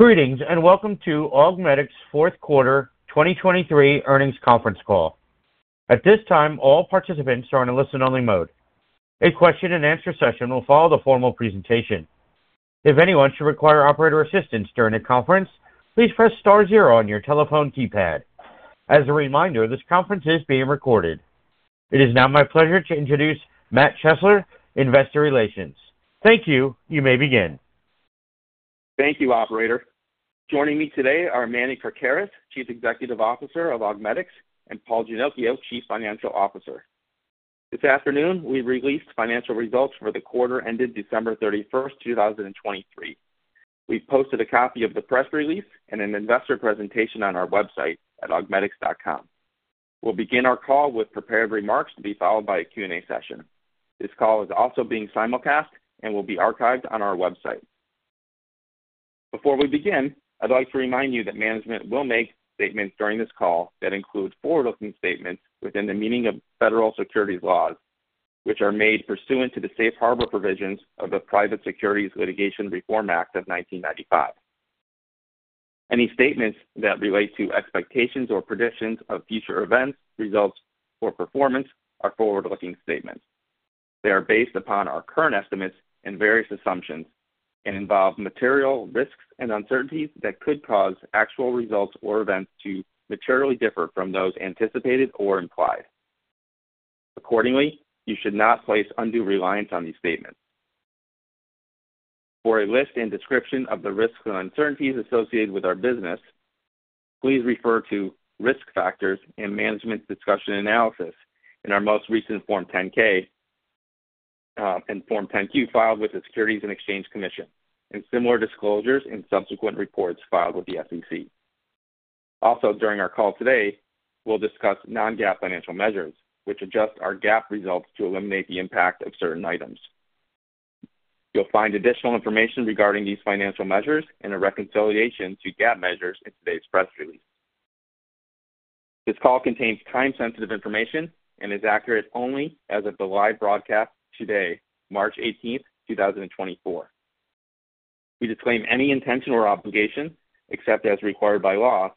Greetings and welcome to Augmedix fourth quarter 2023 earnings conference call. At this time, all participants are in a listen-only mode. A question-and-answer session will follow the formal presentation. If anyone should require operator assistance during a conference, please press star zero on your telephone keypad. As a reminder, this conference is being recorded. It is now my pleasure to introduce Matt Chesler, investor relations. Thank you. You may begin. Thank you, operator. Joining me today are Manny Krakaris, Chief Executive Officer of Augmedix, and Paul Ginocchio, Chief Financial Officer. This afternoon, we released financial results for the quarter ended December 31st, 2023. We've posted a copy of the press release and an investor presentation on our website at augmedix.com. We'll begin our call with prepared remarks to be followed by a Q&A session. This call is also being simulcast and will be archived on our website. Before we begin, I'd like to remind you that management will make statements during this call that include forward-looking statements within the meaning of federal securities laws, which are made pursuant to the Safe Harbor provisions of the Private Securities Litigation Reform Act of 1995. Any statements that relate to expectations or predictions of future events, results, or performance are forward-looking statements. They are based upon our current estimates and various assumptions and involve material risks and uncertainties that could cause actual results or events to materially differ from those anticipated or implied. Accordingly, you should not place undue reliance on these statements. For a list and description of the risks and uncertainties associated with our business, please refer to Risk Factors and Management's Discussion and Analysis in our most recent Form 10-K and Form 10-Q filed with the Securities and Exchange Commission, and similar disclosures in subsequent reports filed with the SEC. Also, during our call today, we'll discuss non-GAAP financial measures, which adjust our GAAP results to eliminate the impact of certain items. You'll find additional information regarding these financial measures and a reconciliation to GAAP measures in today's press release. This call contains time-sensitive information and is accurate only as of the live broadcast today, March 18th, 2024. We disclaim any intention or obligation, except as required by law,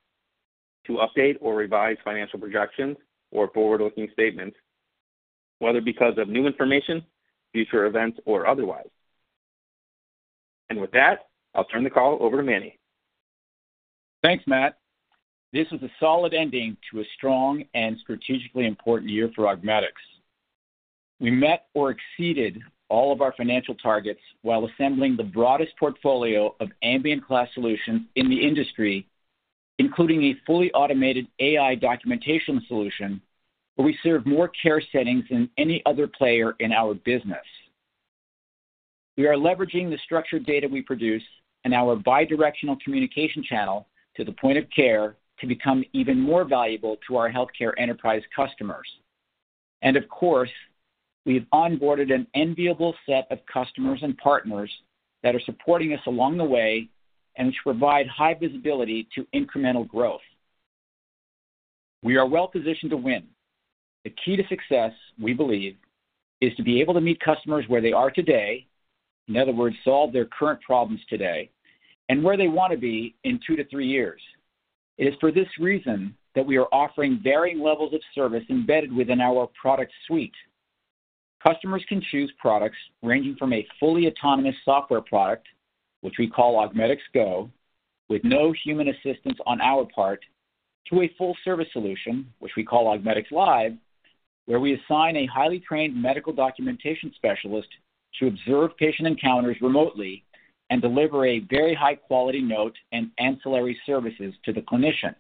to update or revise financial projections or forward-looking statements, whether because of new information, future events, or otherwise. With that, I'll turn the call over to Manny. Thanks, Matt. This is a solid ending to a strong and strategically important year for Augmedix. We met or exceeded all of our financial targets while assembling the broadest portfolio of ambient-class solutions in the industry, including a fully automated AI documentation solution where we serve more care settings than any other player in our business. We are leveraging the structured data we produce and our bidirectional communication channel to the point of care to become even more valuable to our healthcare enterprise customers. And of course, we've onboarded an enviable set of customers and partners that are supporting us along the way and which provide high visibility to incremental growth. We are well-positioned to win. The key to success, we believe, is to be able to meet customers where they are today (in other words, solve their current problems today) and where they want to be in 2-3 years. It is for this reason that we are offering varying levels of service embedded within our product suite. Customers can choose products ranging from a fully autonomous software product, which we call Augmedix Go, with no human assistance on our part, to a full-service solution, which we call Augmedix Live, where we assign a highly trained medical documentation specialist to observe patient encounters remotely and deliver a very high-quality note and ancillary services to the clinician.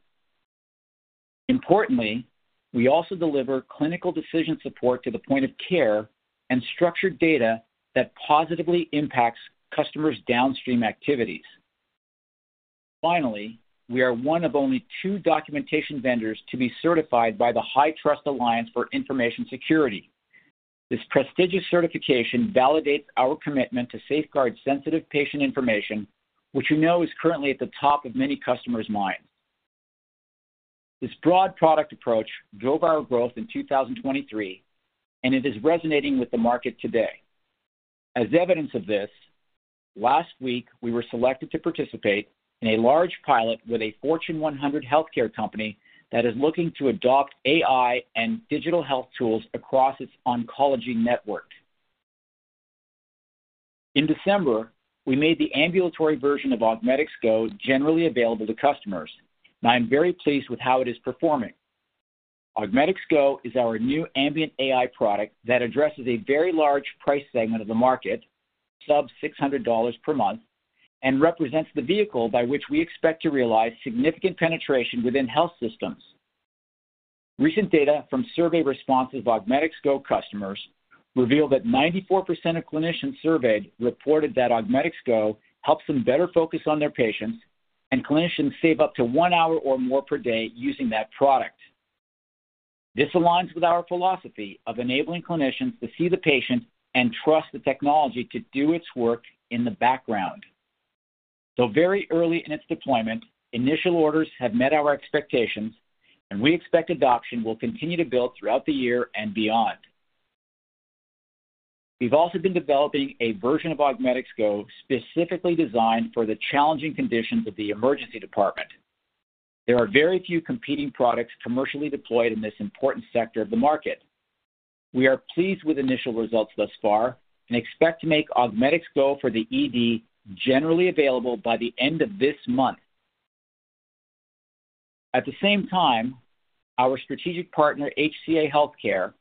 Importantly, we also deliver clinical decision support to the point of care and structured data that positively impacts customers' downstream activities. Finally, we are one of only two documentation vendors to be certified by the HITRUST Alliance for Information Security. This prestigious certification validates our commitment to safeguard sensitive patient information, which we know is currently at the top of many customers' minds. This broad product approach drove our growth in 2023, and it is resonating with the market today. As evidence of this, last week we were selected to participate in a large pilot with a Fortune 100 healthcare company that is looking to adopt AI and digital health tools across its oncology network. In December, we made the ambulatory version of Augmedix Go generally available to customers, and I am very pleased with how it is performing. Augmedix Go is our new ambient AI product that addresses a very large price segment of the market, sub-$600 per month, and represents the vehicle by which we expect to realize significant penetration within health systems. Recent data from survey responses of Augmedix Go customers reveal that 94% of clinicians surveyed reported that Augmedix Go helps them better focus on their patients and clinicians save up to one hour or more per day using that product. This aligns with our philosophy of enabling clinicians to see the patient and trust the technology to do its work in the background. Though very early in its deployment, initial orders have met our expectations, and we expect adoption will continue to build throughout the year and beyond. We've also been developing a version of Augmedix Go specifically designed for the challenging conditions of the emergency department. There are very few competing products commercially deployed in this important sector of the market. We are pleased with initial results thus far and expect to make Augmedix Go for the ED generally available by the end of this month. At the same time, our strategic partner, HCA Healthcare,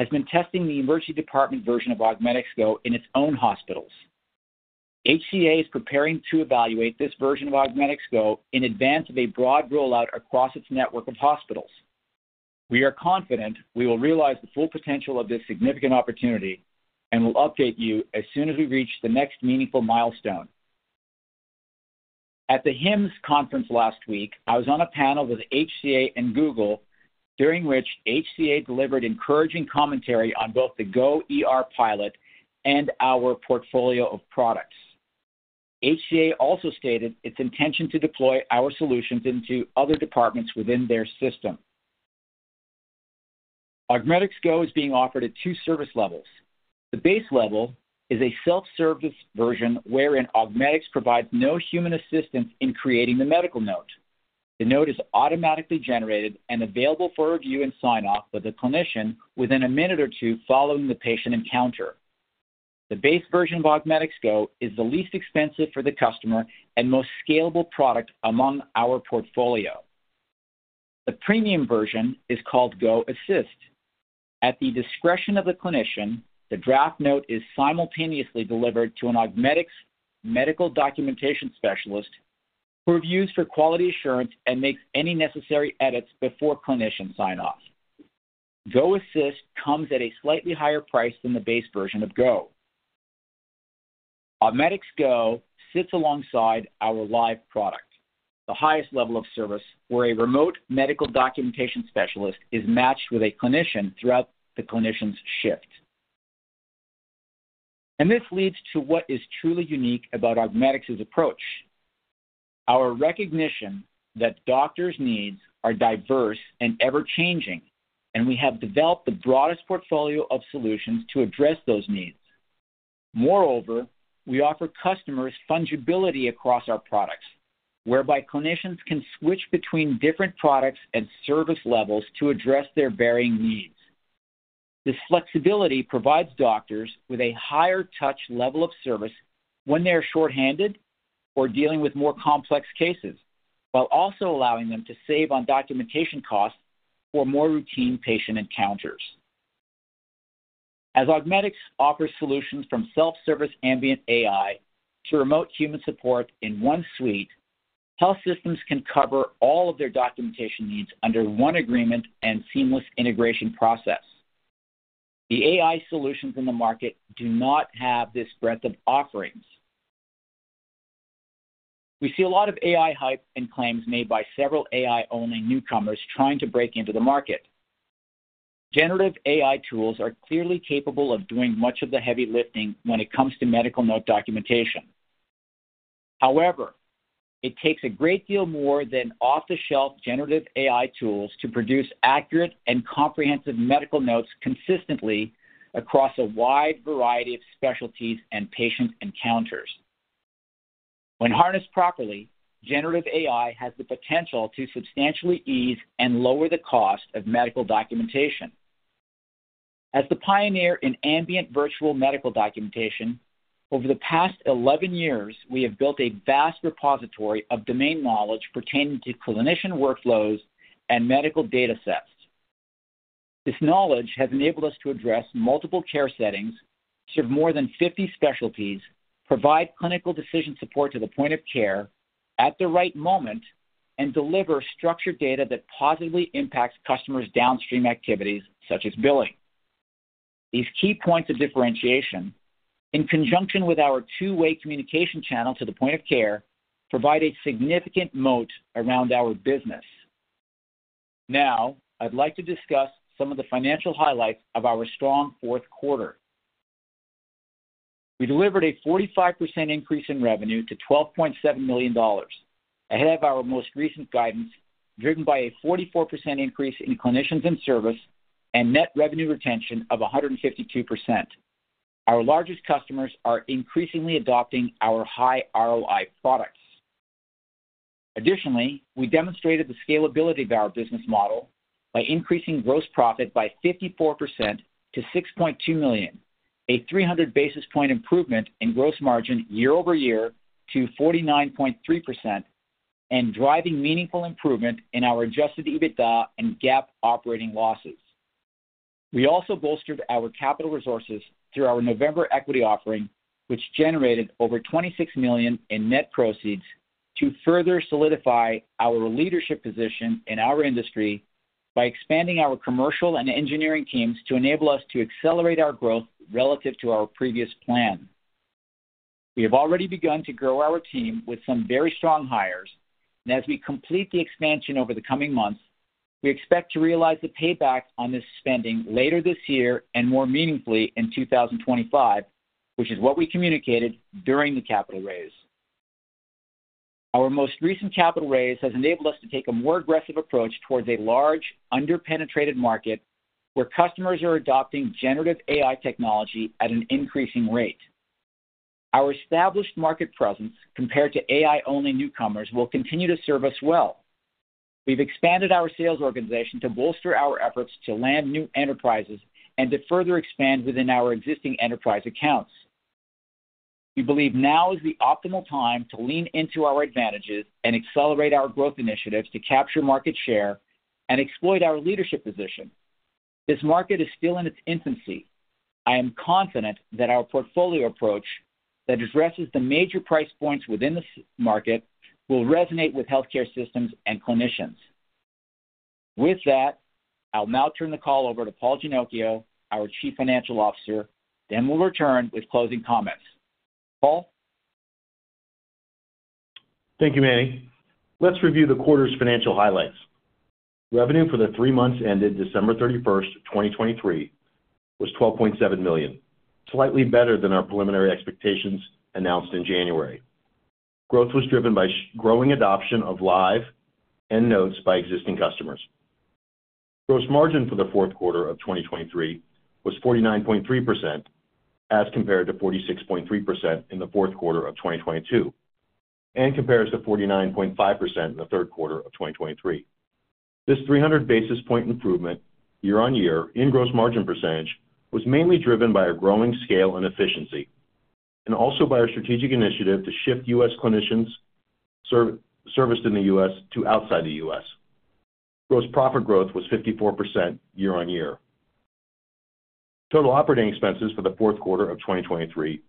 has been testing the emergency department version of Augmedix Go in its own hospitals. HCA is preparing to evaluate this version of Augmedix Go in advance of a broad rollout across its network of hospitals. We are confident we will realize the full potential of this significant opportunity and will update you as soon as we reach the next meaningful milestone. At the HIMSS conference last week, I was on a panel with HCA and Google, during which HCA delivered encouraging commentary on both the Go pilot and our portfolio of products. HCA also stated its intention to deploy our solutions into other departments within their system. Augmedix Go is being offered at two service levels. The base level is a self-service version wherein Augmedix provides no human assistance in creating the medical note. The note is automatically generated and available for review and sign-off with a clinician within a minute or two following the patient encounter. The base version of Augmedix Go is the least expensive for the customer and most scalable product among our portfolio. The premium version is called Go Assist. At the discretion of the clinician, the draft note is simultaneously delivered to an Augmedix medical documentation specialist who reviews for quality assurance and makes any necessary edits before clinician sign-off. Go Assist comes at a slightly higher price than the base version of Go. Augmedix Go sits alongside our live product, the highest level of service, where a remote medical documentation specialist is matched with a clinician throughout the clinician's shift. This leads to what is truly unique about Augmedix's approach: our recognition that doctors' needs are diverse and ever-changing, and we have developed the broadest portfolio of solutions to address those needs. Moreover, we offer customers fungibility across our products, whereby clinicians can switch between different products and service levels to address their varying needs. This flexibility provides doctors with a higher touch level of service when they are shorthanded or dealing with more complex cases, while also allowing them to save on documentation costs for more routine patient encounters. As Augmedix offers solutions from self-service ambient AI to remote human support in one suite, health systems can cover all of their documentation needs under one agreement and seamless integration process. The AI solutions in the market do not have this breadth of offerings. We see a lot of AI hype and claims made by several AI-only newcomers trying to break into the market. Generative AI tools are clearly capable of doing much of the heavy lifting when it comes to medical note documentation. However, it takes a great deal more than off-the-shelf generative AI tools to produce accurate and comprehensive medical notes consistently across a wide variety of specialties and patient encounters. When harnessed properly, generative AI has the potential to substantially ease and lower the cost of medical documentation. As the pioneer in ambient virtual medical documentation, over the past 11 years, we have built a vast repository of domain knowledge pertaining to clinician workflows and medical data sets. This knowledge has enabled us to address multiple care settings, serve more than 50 specialties, provide clinical decision support to the point of care at the right moment, and deliver structured data that positively impacts customers' downstream activities such as billing. These key points of differentiation, in conjunction with our two-way communication channel to the point of care, provide a significant moat around our business. Now, I'd like to discuss some of the financial highlights of our strong fourth quarter. We delivered a 45% increase in revenue to $12.7 million ahead of our most recent guidance, driven by a 44% increase in clinicians in service and net revenue retention of 152%. Our largest customers are increasingly adopting our high ROI products. Additionally, we demonstrated the scalability of our business model by increasing gross profit by 54% to $6.2 million, a 300 basis point improvement in gross margin year-over-year to 49.3%, and driving meaningful improvement in our adjusted EBITDA and GAAP operating losses. We also bolstered our capital resources through our November equity offering, which generated over $26 million in net proceeds to further solidify our leadership position in our industry by expanding our commercial and engineering teams to enable us to accelerate our growth relative to our previous plan. We have already begun to grow our team with some very strong hires, and as we complete the expansion over the coming months, we expect to realize the payback on this spending later this year and more meaningfully in 2025, which is what we communicated during the capital raise. Our most recent capital raise has enabled us to take a more aggressive approach towards a large, under-penetrated market where customers are adopting generative AI technology at an increasing rate. Our established market presence compared to AI-only newcomers will continue to serve us well. We've expanded our sales organization to bolster our efforts to land new enterprises and to further expand within our existing enterprise accounts. We believe now is the optimal time to lean into our advantages and accelerate our growth initiatives to capture market share and exploit our leadership position. This market is still in its infancy. I am confident that our portfolio approach that addresses the major price points within the market will resonate with healthcare systems and clinicians. With that, I'll now turn the call over to Paul Ginocchio, our Chief Financial Officer, then we'll return with closing comments. Paul? Thank you, Manny. Let's review the quarter's financial highlights. Revenue for the three months ended December 31st, 2023, was $12.7 million, slightly better than our preliminary expectations announced in January. Growth was driven by growing adoption of Live and Notes by existing customers. Gross margin for the fourth quarter of 2023 was 49.3% as compared to 46.3% in the fourth quarter of 2022 and compares to 49.5% in the third quarter of 2023. This 300 basis point improvement year-on-year in gross margin percentage was mainly driven by a growing scale and efficiency and also by our strategic initiative to shift U.S. clinicians serviced in the U.S. to outside the U.S. Gross profit growth was 54% year-on-year. Total operating expenses for the fourth quarter of 2023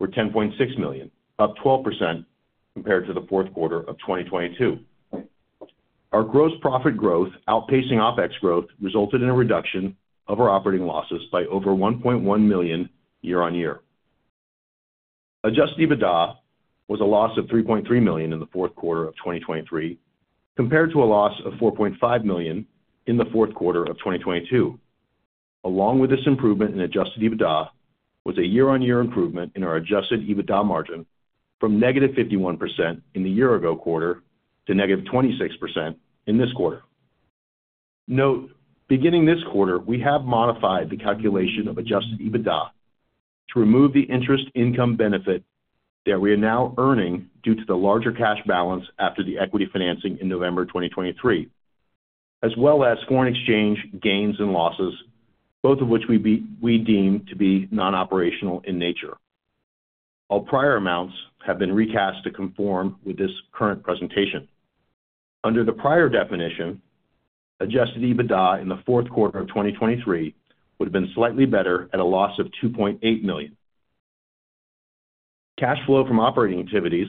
were $10.6 million, up 12% compared to the fourth quarter of 2022. Our gross profit growth outpacing OpEx growth resulted in a reduction of our operating losses by over $1.1 million year on year. Adjusted EBITDA was a loss of $3.3 million in the fourth quarter of 2023 compared to a loss of $4.5 million in the fourth quarter of 2022. Along with this improvement in adjusted EBITDA was a year-on-year improvement in our adjusted EBITDA margin from -51% in the year-ago quarter to -26% in this quarter. Note, beginning this quarter, we have modified the calculation of adjusted EBITDA to remove the interest income benefit that we are now earning due to the larger cash balance after the equity financing in November 2023, as well as foreign exchange gains and losses, both of which we deem to be non-operational in nature. All prior amounts have been recast to conform with this current presentation. Under the prior definition, Adjusted EBITDA in the fourth quarter of 2023 would have been slightly better at a loss of $2.8 million. Cash flow from operating activities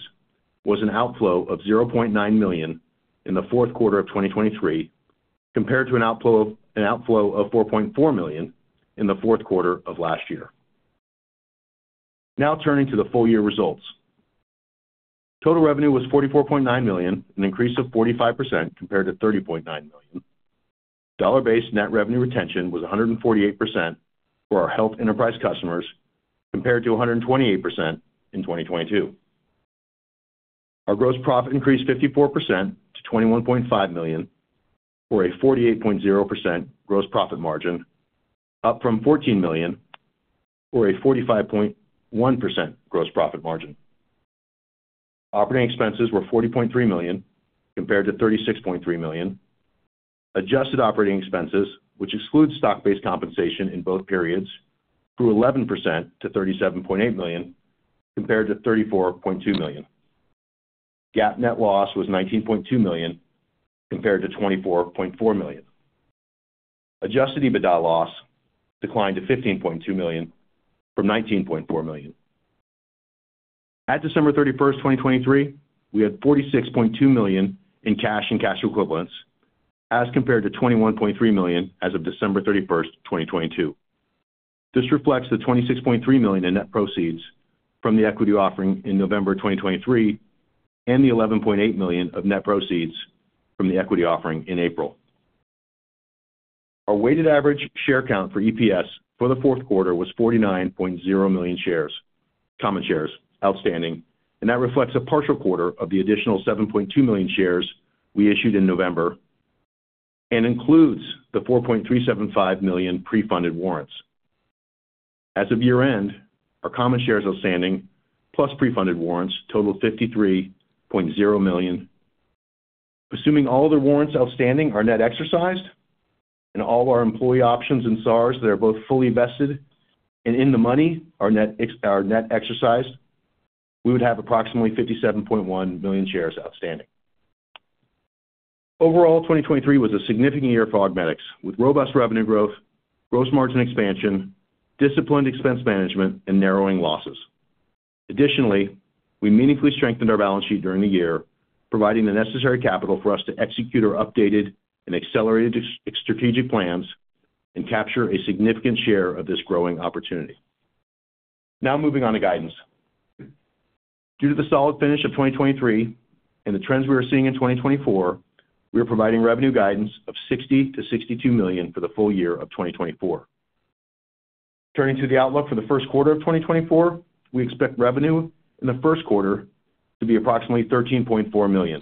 was an outflow of $0.9 million in the fourth quarter of 2023 compared to an outflow of $4.4 million in the fourth quarter of last year. Now turning to the full-year results. Total revenue was $44.9 million, an increase of 45% compared to $30.9 million. Dollar-based net revenue retention was 148% for our health enterprise customers compared to 128% in 2022. Our gross profit increased 54% to $21.5 million for a 48.0% gross profit margin, up from $14 million for a 45.1% gross profit margin. Operating expenses were $40.3 million compared to $36.3 million. Adjusted operating expenses, which exclude stock-based compensation in both periods, grew 11% to $37.8 million compared to $34.2 million. GAAP net loss was $19.2 million compared to $24.4 million. Adjusted EBITDA loss declined to $15.2 million from $19.4 million. At December 31st, 2023, we had $46.2 million in cash and cash equivalents as compared to $21.3 million as of December 31st, 2022. This reflects the $26.3 million in net proceeds from the equity offering in November 2023 and the $11.8 million of net proceeds from the equity offering in April. Our weighted average share count for EPS for the fourth quarter was 49.0 million shares, common shares, outstanding, and that reflects a partial quarter of the additional 7.2 million shares we issued in November and includes the 4.375 million pre-funded warrants. As of year-end, our common shares outstanding plus pre-funded warrants totaled 53.0 million. Assuming all the warrants outstanding are net exercised and all our employee options and SARs that are both fully vested and in the money are net exercised, we would have approximately 57.1 million shares outstanding. Overall, 2023 was a significant year for Augmedix with robust revenue growth, gross margin expansion, disciplined expense management, and narrowing losses. Additionally, we meaningfully strengthened our balance sheet during the year, providing the necessary capital for us to execute our updated and accelerated strategic plans and capture a significant share of this growing opportunity. Now moving on to guidance. Due to the solid finish of 2023 and the trends we are seeing in 2024, we are providing revenue guidance of $60 million-$62 million for the full year of 2024. Turning to the outlook for the first quarter of 2024, we expect revenue in the first quarter to be approximately $13.4 million.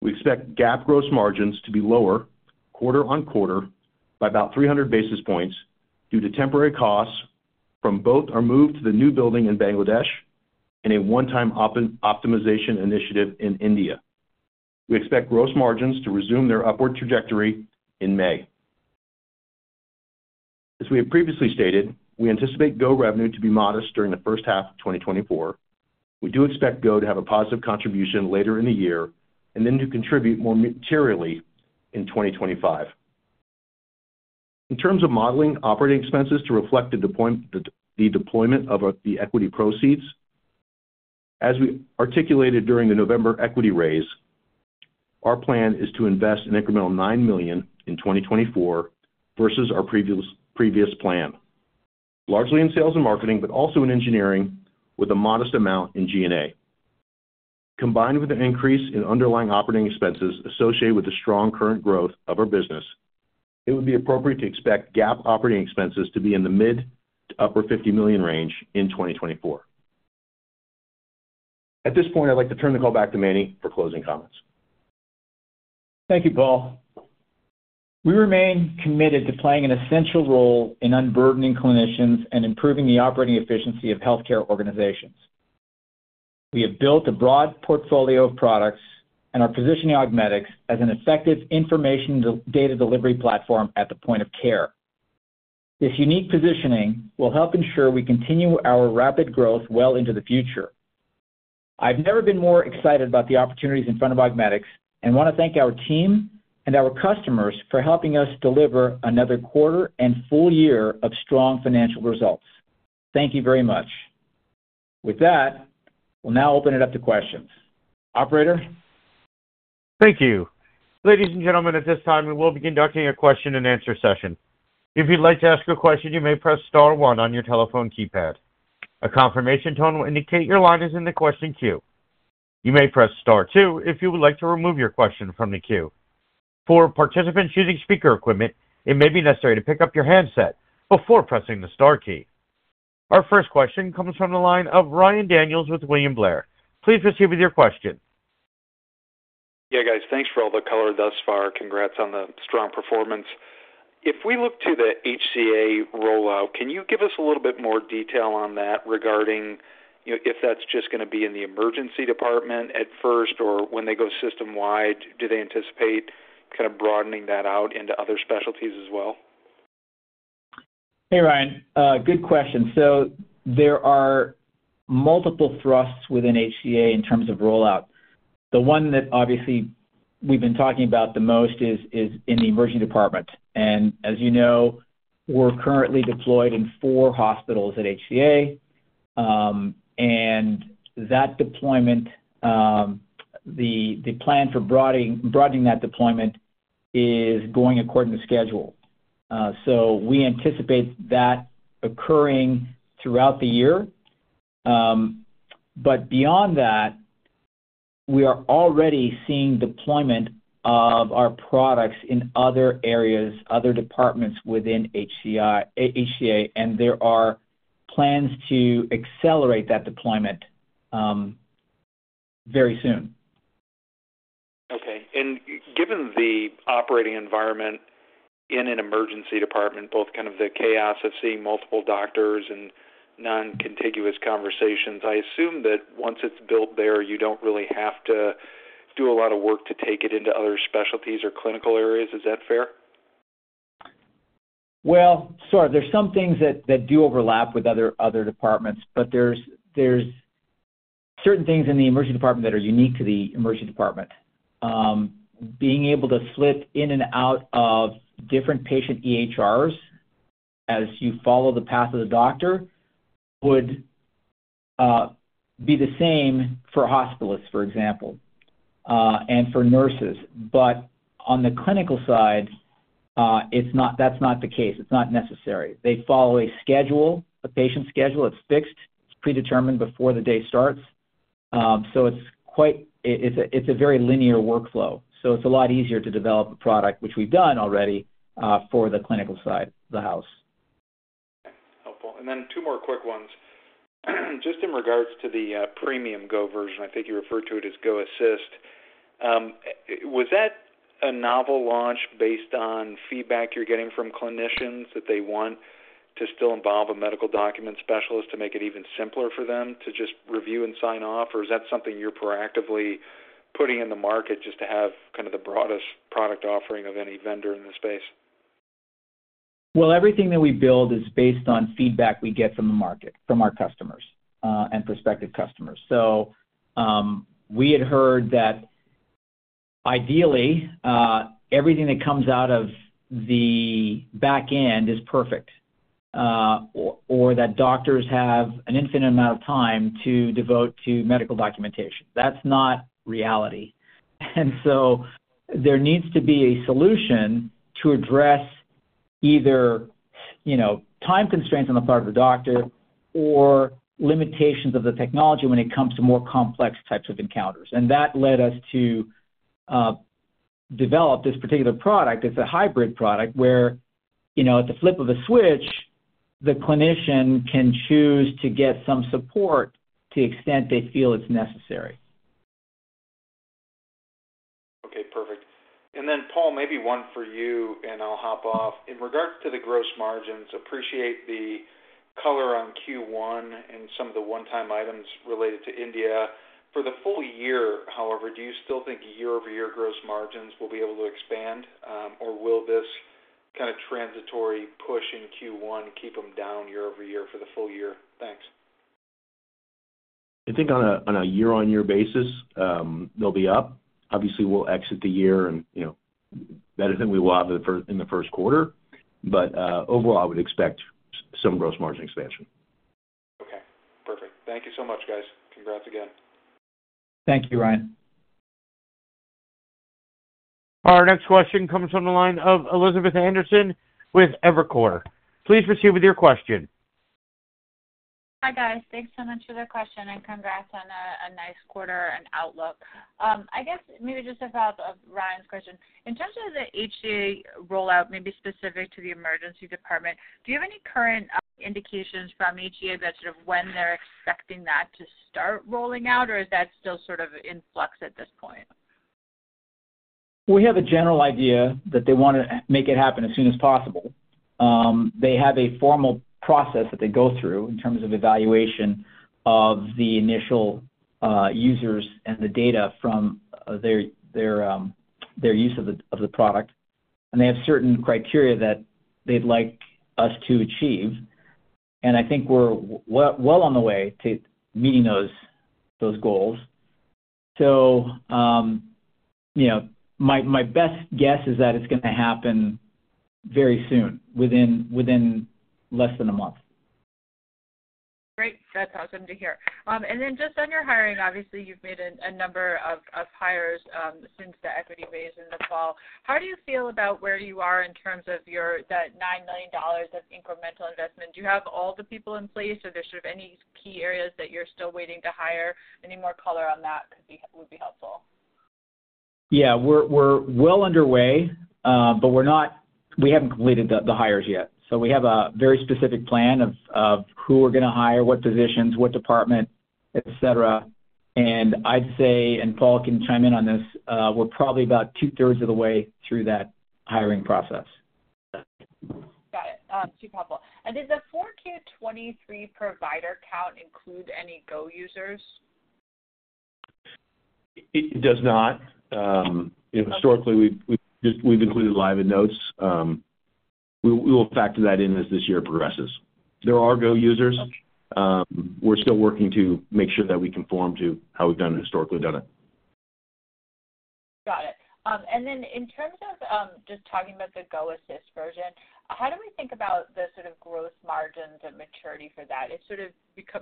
We expect GAAP gross margins to be lower quarter-over-quarter by about 300 basis points due to temporary costs from both our move to the new building in Bangladesh and a one-time optimization initiative in India. We expect gross margins to resume their upward trajectory in May. As we have previously stated, we anticipate GO revenue to be modest during the first half of 2024. We do expect GO to have a positive contribution later in the year and then to contribute more materially in 2025. In terms of modeling operating expenses to reflect the deployment of the equity proceeds, as we articulated during the November equity raise, our plan is to invest an incremental $9 million in 2024 versus our previous plan, largely in sales and marketing but also in engineering with a modest amount in G&A. Combined with the increase in underlying operating expenses associated with the strong current growth of our business, it would be appropriate to expect GAAP operating expenses to be in the mid to upper $50 million range in 2024. At this point, I'd like to turn the call back to Manny for closing comments. Thank you, Paul. We remain committed to playing an essential role in unburdening clinicians and improving the operating efficiency of healthcare organizations. We have built a broad portfolio of products and are positioning Augmedix as an effective information data delivery platform at the point of care. This unique positioning will help ensure we continue our rapid growth well into the future. I've never been more excited about the opportunities in front of Augmedix and want to thank our team and our customers for helping us deliver another quarter and full year of strong financial results. Thank you very much. With that, we'll now open it up to questions. Operator? Thank you. Ladies and gentlemen, at this time, we will begin conducting a question and answer session. If you'd like to ask a question, you may press star one on your telephone keypad. A confirmation tone will indicate your line is in the question queue. You may press star two if you would like to remove your question from the queue. For participants using speaker equipment, it may be necessary to pick up your handset before pressing the star key. Our first question comes from the line of Ryan Daniels with William Blair. Please proceed with your question. Yeah, guys. Thanks for all the color thus far. Congrats on the strong performance. If we look to the HCA rollout, can you give us a little bit more detail on that regarding if that's just going to be in the emergency department at first or when they go system-wide, do they anticipate kind of broadening that out into other specialties as well? Hey, Ryan. Good question. So there are multiple thrusts within HCA in terms of rollout. The one that obviously we've been talking about the most is in the emergency department. And as you know, we're currently deployed in 4 hospitals at HCA, and the plan for broadening that deployment is going according to schedule. So we anticipate that occurring throughout the year. But beyond that, we are already seeing deployment of our products in other areas, other departments within HCA, and there are plans to accelerate that deployment very soon. Okay. Given the operating environment in an emergency department, both kind of the chaos of seeing multiple doctors and non-contiguous conversations, I assume that once it's built there, you don't really have to do a lot of work to take it into other specialties or clinical areas. Is that fair? Well, sure. There's some things that do overlap with other departments, but there's certain things in the emergency department that are unique to the emergency department. Being able to split in and out of different patient EHRs as you follow the path of the doctor would be the same for hospitalists, for example, and for nurses. But on the clinical side, that's not the case. It's not necessary. They follow a schedule, a patient schedule. It's fixed. It's predetermined before the day starts. So it's a very linear workflow. So it's a lot easier to develop a product, which we've done already, for the clinical side, the house. Okay. Helpful. And then two more quick ones. Just in regards to the premium Go version, I think you referred to it as Go Assist. Was that a novel launch based on feedback you're getting from clinicians that they want to still involve a medical document specialist to make it even simpler for them to just review and sign off, or is that something you're proactively putting in the market just to have kind of the broadest product offering of any vendor in the space? Well, everything that we build is based on feedback we get from the market, from our customers and prospective customers. So we had heard that ideally, everything that comes out of the back end is perfect or that doctors have an infinite amount of time to devote to medical documentation. That's not reality. And so there needs to be a solution to address either time constraints on the part of the doctor or limitations of the technology when it comes to more complex types of encounters. And that led us to develop this particular product. It's a hybrid product where at the flip of a switch, the clinician can choose to get some support to the extent they feel it's necessary. Okay. Perfect. Then, Paul, maybe one for you, and I'll hop off. In regards to the gross margins, appreciate the color on Q1 and some of the one-time items related to India. For the full year, however, do you still think year-over-year gross margins will be able to expand, or will this kind of transitory push in Q1 keep them down year-over-year for the full year? Thanks. I think on a year-on-year basis, they'll be up. Obviously, we'll exit the year better than we will have in the first quarter. But overall, I would expect some gross margin expansion. Okay. Perfect. Thank you so much, guys. Congrats again. Thank you, Ryan. Our next question comes from the line of Elizabeth Anderson with Evercore. Please proceed with your question. Hi, guys. Thanks so much for the question and congrats on a nice quarter and outlook. I guess maybe just about Ryan's question. In terms of the HCA rollout, maybe specific to the emergency department, do you have any current indications from HCA about sort of when they're expecting that to start rolling out, or is that still sort of in flux at this point? We have a general idea that they want to make it happen as soon as possible. They have a formal process that they go through in terms of evaluation of the initial users and the data from their use of the product. They have certain criteria that they'd like us to achieve. I think we're well on the way to meeting those goals. My best guess is that it's going to happen very soon, within less than a month. Great. That's awesome to hear. And then just on your hiring, obviously, you've made a number of hires since the equity raise in the fall. How do you feel about where you are in terms of that $9 million of incremental investment? Do you have all the people in place, or are there sort of any key areas that you're still waiting to hire? Any more color on that would be helpful. Yeah. We're well underway, but we haven't completed the hires yet. So we have a very specific plan of who we're going to hire, what positions, what department, etc. And I'd say, and Paul can chime in on this, we're probably about two-thirds of the way through that hiring process. Got it. Too helpful. And does the 4Q23 provider count include any GO users? It does not. Historically, we've included Live in Notes. We will factor that in as this year progresses. There are Go users. We're still working to make sure that we conform to how we've historically done it. Got it. And then in terms of just talking about the Go Assist version, how do we think about the sort of gross margins and maturity for that? It's sort of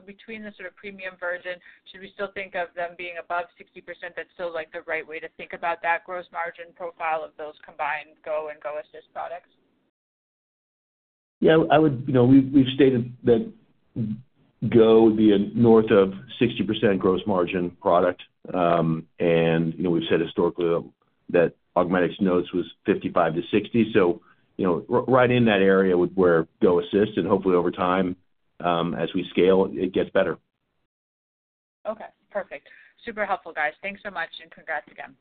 between the sort of premium version, should we still think of them being above 60%? That's still the right way to think about that gross margin profile of those combined Go and Go Assist products? Yeah. We've stated that GO would be a north of 60% gross margin product. And we've said historically that Augmedix Notes was 55%-60%. So right in that area would be our GO Assist. And hopefully, over time, as we scale, it gets better. Okay. Perfect. Super helpful, guys. Thanks so much and congrats again.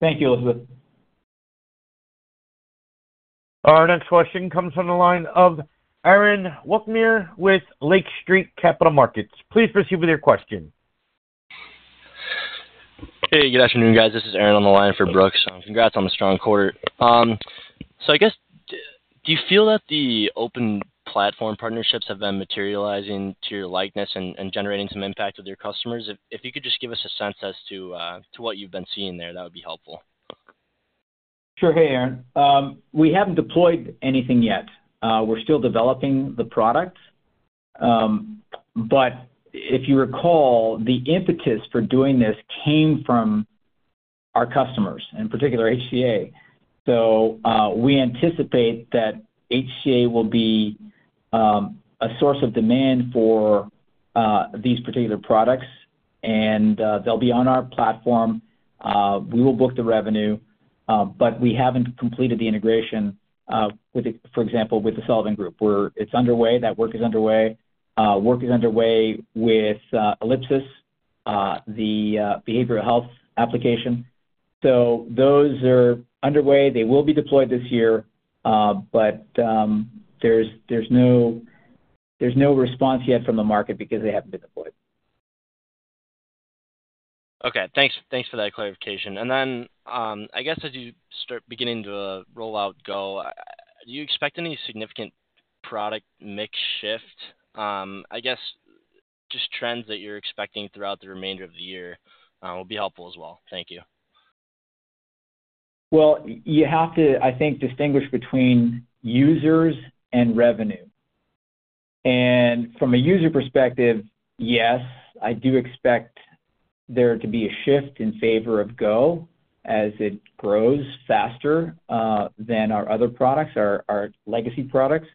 Thank you, Elizabeth. Our next question comes from the line of Aaron Wukmir with Lake Street Capital Markets. Please proceed with your question. Hey. Good afternoon, guys. This is Aaron on the line for Brooks. Congrats on the strong quarter. So I guess, do you feel that the open platform partnerships have been materializing to your likeness and generating some impact with your customers? If you could just give us a sense as to what you've been seeing there, that would be helpful. Sure. Hey, Aaron. We haven't deployed anything yet. We're still developing the product. But if you recall, the impetus for doing this came from our customers, in particular, HCA. So we anticipate that HCA will be a source of demand for these particular products, and they'll be on our platform. We will book the revenue, but we haven't completed the integration, for example, with the Sullivan Group. It's underway. That work is underway. Work is underway with Ellipsis, the behavioral health application. So those are underway. They will be deployed this year, but there's no response yet from the market because they haven't been deployed. Okay. Thanks for that clarification. And then I guess as you start beginning to rollout GO, do you expect any significant product mix shift? I guess just trends that you're expecting throughout the remainder of the year will be helpful as well. Thank you. Well, you have to, I think, distinguish between users and revenue. From a user perspective, yes, I do expect there to be a shift in favor of GO as it grows faster than our other products, our legacy products.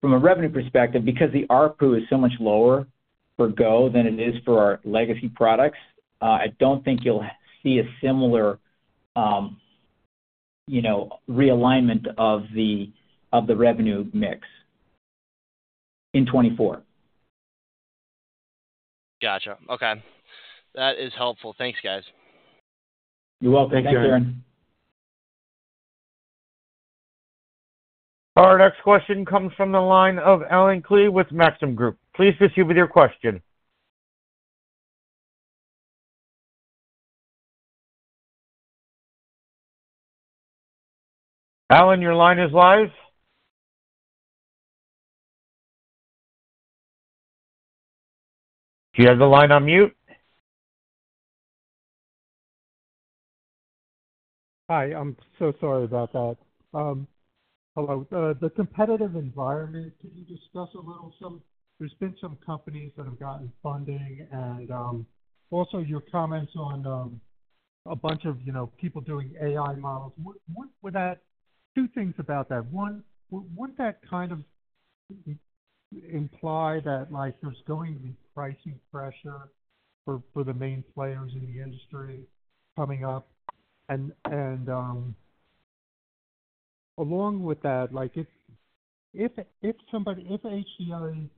From a revenue perspective, because the ARPU is so much lower for GO than it is for our legacy products, I don't think you'll see a similar realignment of the revenue mix in 2024. Gotcha. Okay. That is helpful. Thanks, guys. You're welcome. Thank you, Aaron. Thanks, Aaron. Our next question comes from the line of Allen Klee with Maxim Group. Please proceed with your question. Allen, your line is live. Do you have the line on mute? Hi. I'm so sorry about that. Hello. The competitive environment, could you discuss a little? There's been some companies that have gotten funding. And also your comments on a bunch of people doing AI models. Two things about that. One, wouldn't that kind of imply that there's going to be pricing pressure for the main players in the industry coming up? And along with that, if HCA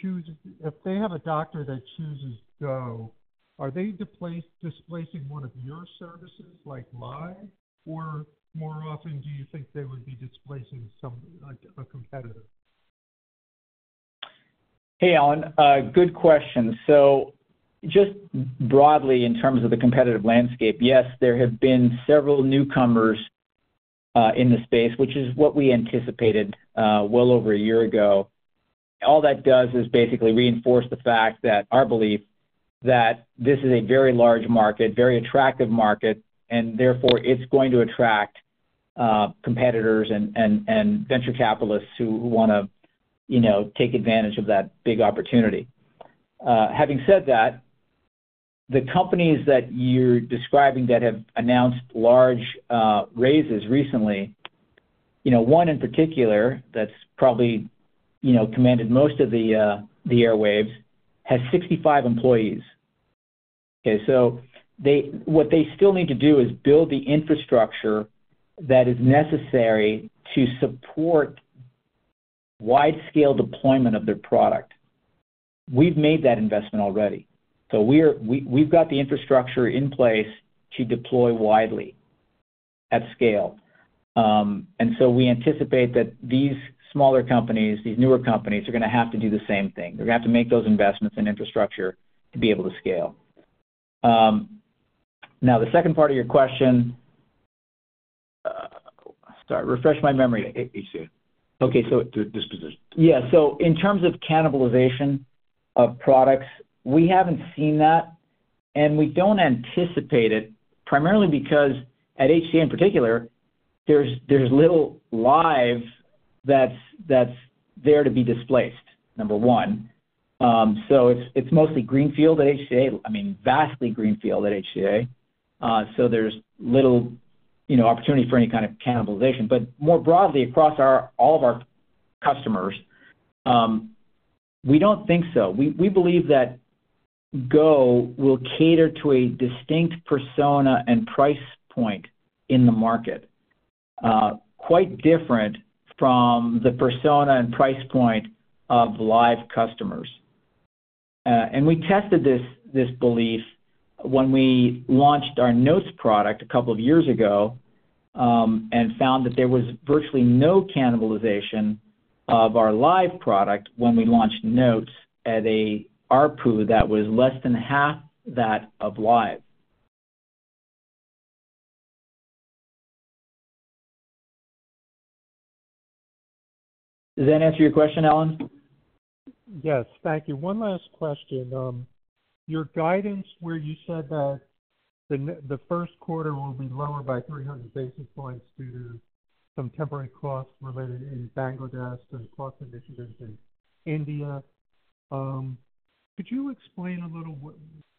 chooses if they have a doctor that chooses Go, are they displacing one of your services Live? Or more often, do you think they would be displacing a competitor? Hey, Allen. Good question. So just broadly, in terms of the competitive landscape, yes, there have been several newcomers in the space, which is what we anticipated well over a year ago. All that does is basically reinforce the belief that this is a very large market, very attractive market, and therefore, it's going to attract competitors and venture capitalists who want to take advantage of that big opportunity. Having said that, the companies that you're describing that have announced large raises recently, one in particular that's probably commanded most of the airwaves has 65 employees. Okay? So what they still need to do is build the infrastructure that is necessary to support wide-scale deployment of their product. We've made that investment already. So we've got the infrastructure in place to deploy widely at scale. And so we anticipate that these smaller companies, these newer companies, are going to have to do the same thing. They're going to have to make those investments in infrastructure to be able to scale. Now, the second part of your question, sorry, refresh my memory. HCA. Okay. Disposition. Yeah. So in terms of cannibalization of products, we haven't seen that, and we don't anticipate it primarily because at HCA in particular, there's little Live that's there to be displaced, number one. So it's mostly greenfield at HCA. I mean, vastly greenfield at HCA. So there's little opportunity for any kind of cannibalization. But more broadly, across all of our customers, we don't think so. We believe that Go will cater to a distinct persona and price point in the market, quite different from the persona and price point of Live customers. And we tested this belief when we launched our Notes product a couple of years ago and found that there was virtually no cannibalization of our Live product when we launched Notes at an ARPU that was less than half that of Live. Does that answer your question, Allen? Yes. Thank you. One last question. Your guidance where you said that the first quarter will be lower by 300 basis points due to some temporary costs related in Bangladesh to the cost initiatives in India, could you explain a little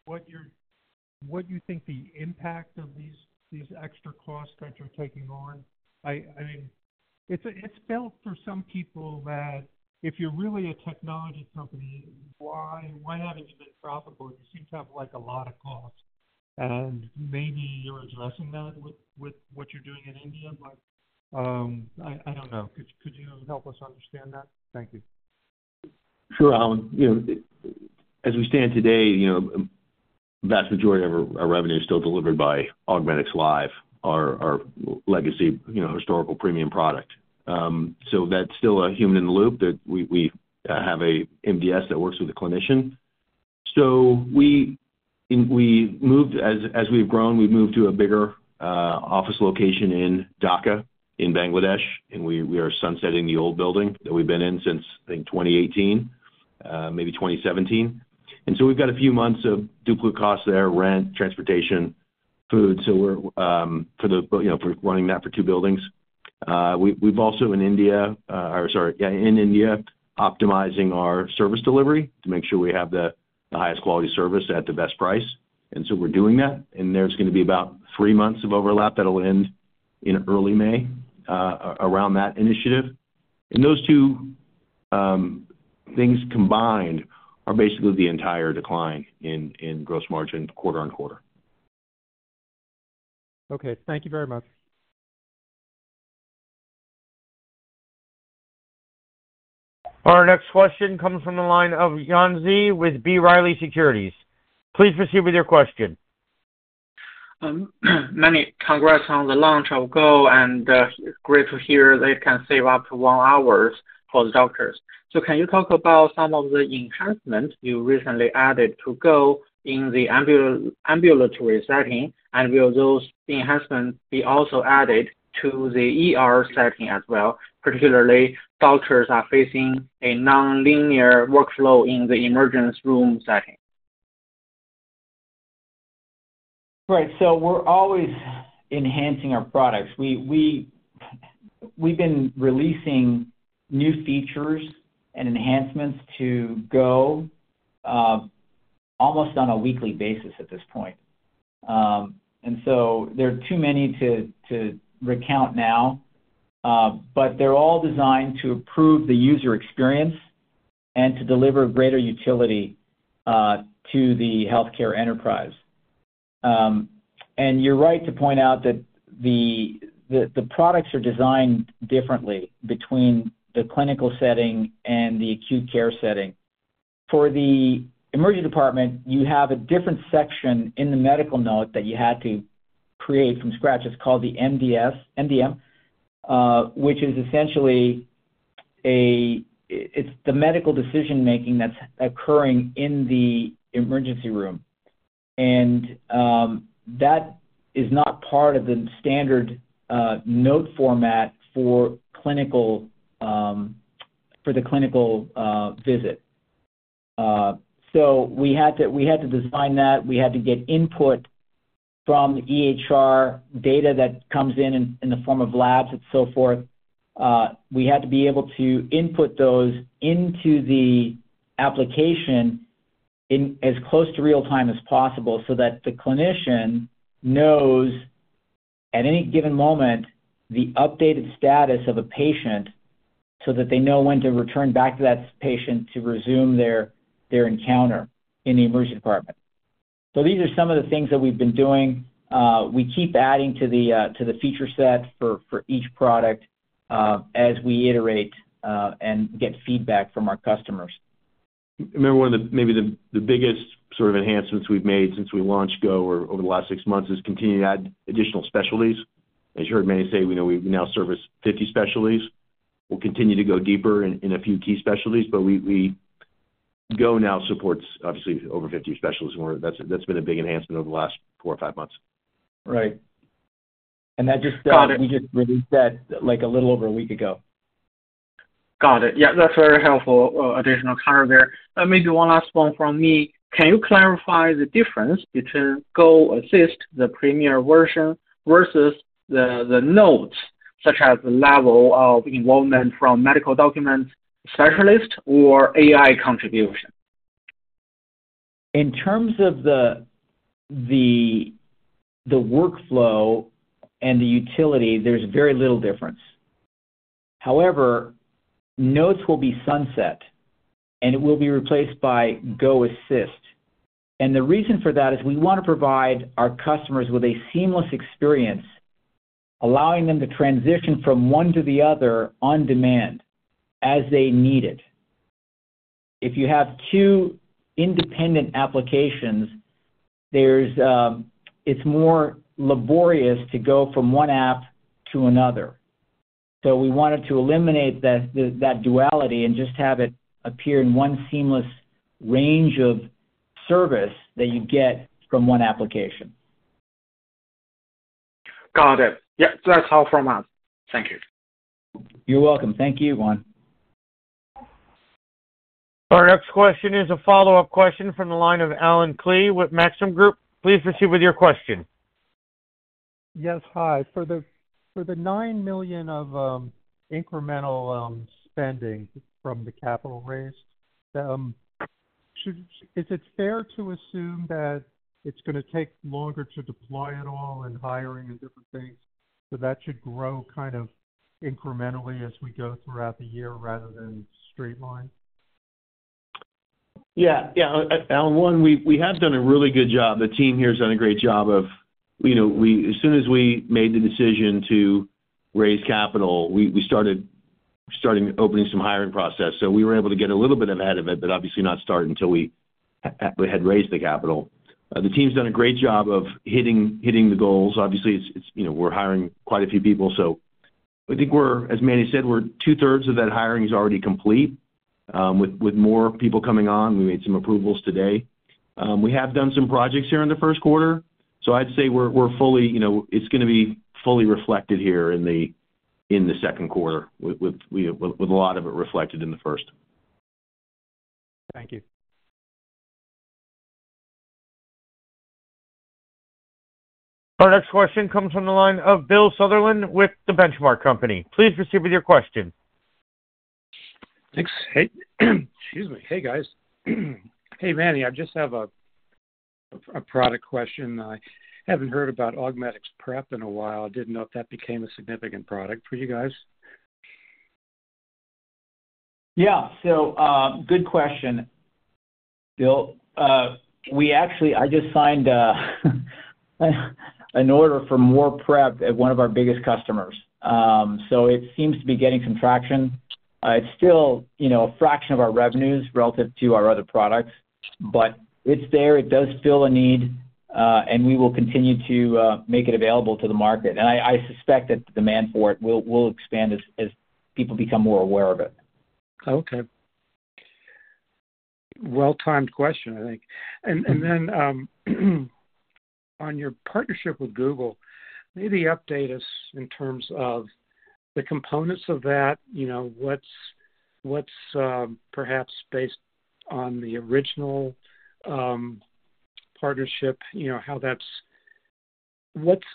what you think the impact of these extra costs that you're taking on? I mean, it's felt for some people that if you're really a technology company, why haven't you been profitable? You seem to have a lot of costs. And maybe you're addressing that with what you're doing in India. I don't know. Could you help us understand that? Thank you. Sure, Allen. As we stand today, the vast majority of our revenue is still delivered by Augmedix Live, our legacy historical premium product. So that's still a human in the loop. We have an MDS that works with a clinician. So as we've grown, we've moved to a bigger office location in Dhaka in Bangladesh, and we are sunsetting the old building that we've been in since, I think, 2018, maybe 2017. And so we've got a few months of duplicate costs there: rent, transportation, food. So we're running that for two buildings. We've also in India or sorry, yeah, in India, optimizing our service delivery to make sure we have the highest quality service at the best price. And so we're doing that. And there's going to be about three months of overlap that'll end in early May around that initiative. Those two things combined are basically the entire decline in gross margin quarter-over-quarter. Okay. Thank you very much. Our next question comes from the line of Yuan Zhi with B. Riley Securities. Please proceed with your question. Congrats on the launch of Go. Great to hear they can save up to one hour for the doctors. Can you talk about some of the enhancements you recently added to Go in the ambulatory setting? Will those enhancements be also added to the setting as well, particularly doctors are facing a non-linear workflow in the emergency room setting? Right. So we're always enhancing our products. We've been releasing new features and enhancements to GO almost on a weekly basis at this point. And so there are too many to recount now, but they're all designed to improve the user experience and to deliver greater utility to the healthcare enterprise. And you're right to point out that the products are designed differently between the clinical setting and the acute care setting. For the emergency department, you have a different section in the medical note that you had to create from scratch. It's called the MDM, which is essentially the medical decision-making that's occurring in the emergency room. And that is not part of the standard note format for the clinical visit. So we had to design that. We had to get input from the EHR data that comes in in the form of labs and so forth. We had to be able to input those into the application as close to real-time as possible so that the clinician knows at any given moment the updated status of a patient so that they know when to return back to that patient to resume their encounter in the emergency department. These are some of the things that we've been doing. We keep adding to the feature set for each product as we iterate and get feedback from our customers. Maybe the biggest sort of enhancements we've made since we launched GO over the last six months is continuing to add additional specialties. As you heard Manny say, we now service 50 specialties. We'll continue to go deeper in a few key specialties, but GO now supports, obviously, over 50 specialties. That's been a big enhancement over the last four or five months. Right. We just released that a little over a week ago. Got it. Yeah. That's very helpful additional cover there. Maybe one last one from me. Can you clarify the difference between Go Assist, the premier version, versus the Notes, such as the level of involvement from medical document specialists or AI contribution? In terms of the workflow and the utility, there's very little difference. However, Notes will be sunset, and it will be replaced by Go Assist. The reason for that is we want to provide our customers with a seamless experience, allowing them to transition from one to the other on demand as they need it. If you have two independent applications, it's more laborious to go from one app to another. So we wanted to eliminate that duality and just have it appear in one seamless range of service that you get from one application. Got it. Yeah. So that's how far I'm at. Thank you. You're welcome. Thank you, Yuan. Our next question is a follow-up question from the line of Allen Klee with Maxim Group. Please proceed with your question. Yes. Hi. For the $9 million of incremental spending from the capital raised, is it fair to assume that it's going to take longer to deploy it all and hiring and different things so that should grow kind of incrementally as we go throughout the year rather than straight line? Yeah. Yeah. Alan, one, we have done a really good job. The team here has done a great job of, as soon as we made the decision to raise capital, we started opening some hiring process. So we were able to get a little bit ahead of it, but obviously not start until we had raised the capital. The team's done a great job of hitting the goals. Obviously, we're hiring quite a few people. So I think, as Manny said, two-thirds of that hiring is already complete with more people coming on. We made some approvals today. We have done some projects here in the first quarter. So I'd say we're fully it's going to be fully reflected here in the second quarter, with a lot of it reflected in the first. Thank you. Our next question comes from the line of Bill Sutherland with The Benchmark Company. Please proceed with your question. Thanks. Excuse me. Hey, guys. Hey, Manny. I just have a product question. I haven't heard about Augmedix Prep in a while. I didn't know if that became a significant product for you guys. Yeah. So, good question, Bill. I just signed an order for more prep at one of our biggest customers. So it seems to be getting some traction. It's still a fraction of our revenues relative to our other products, but it's there. It does fill a need, and we will continue to make it available to the market. And I suspect that the demand for it will expand as people become more aware of it. Okay. Well-timed question, I think. Then on your partnership with Google, maybe update us in terms of the components of that. What's perhaps based on the original partnership, how that's what's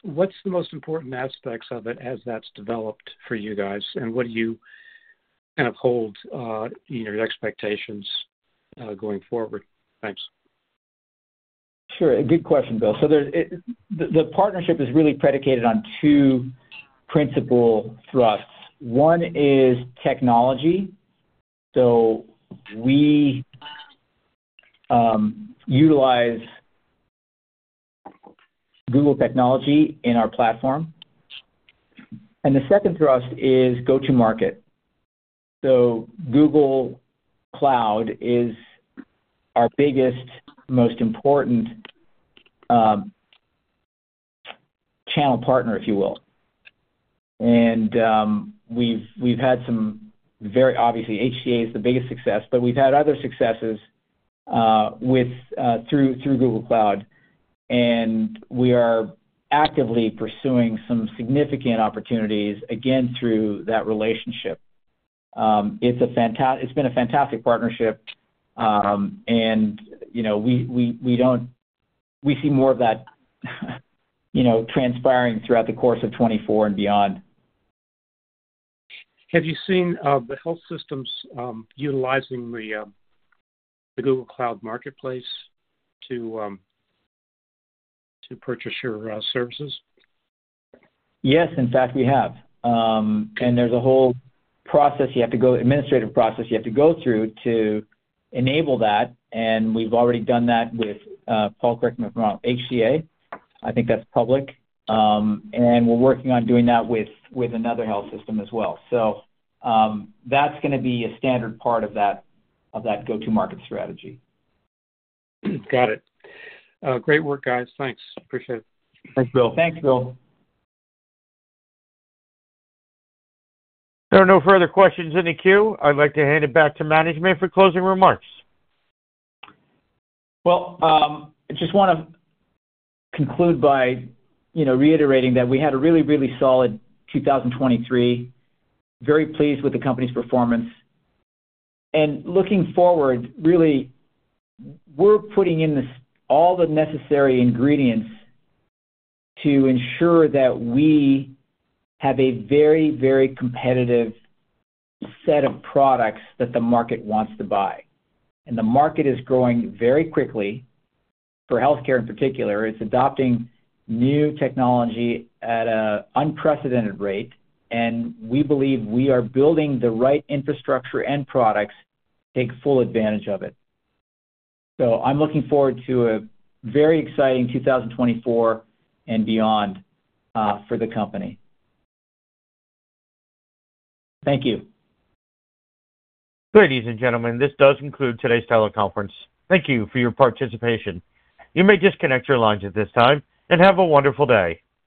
the most important aspects of it as that's developed for you guys, and what do you kind of hold your expectations going forward? Thanks. Sure. Good question, Bill. So the partnership is really predicated on two principal thrusts. One is technology. So we utilize Google technology in our platform. And the second thrust is go-to-market. So Google Cloud is our biggest, most important channel partner, if you will. And we've had some very obviously, HCA is the biggest success, but we've had other successes through Google Cloud. And we are actively pursuing some significant opportunities, again, through that relationship. It's been a fantastic partnership, and we see more of that transpiring throughout the course of 2024 and beyond. Have you seen the health systems utilizing the Google Cloud Marketplace to purchase your services? Yes. In fact, we have. And there's a whole administrative process you have to go through to enable that. And we've already done that with Paul Griffin from HCA. I think that's public. And we're working on doing that with another health system as well. So that's going to be a standard part of that go-to-market strategy. Got it. Great work, guys. Thanks. Appreciate it. Thanks, Bill. Thanks, Bill. There are no further questions in the queue. I'd like to hand it back to management for closing remarks. Well, I just want to conclude by reiterating that we had a really, really solid 2023. Very pleased with the company's performance. Looking forward, really, we're putting in all the necessary ingredients to ensure that we have a very, very competitive set of products that the market wants to buy. The market is growing very quickly for healthcare in particular. It's adopting new technology at an unprecedented rate, and we believe we are building the right infrastructure and products to take full advantage of it. I'm looking forward to a very exciting 2024 and beyond for the company. Thank you. Ladies and gentlemen, this does conclude today's teleconference. Thank you for your participation. You may disconnect your lines at this time and have a wonderful day.